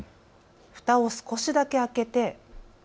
ふたを少しだけ開けて。